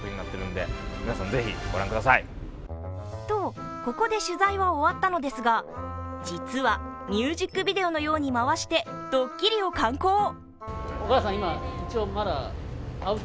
と、ここで取材は終わったのですが、実はミュージックビデオのように回してドッキリを敢行。